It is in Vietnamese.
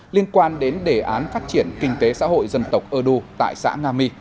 liên quan đến đề án phát triển kinh tế xã hội dân tộc ơ đu tại xã nga my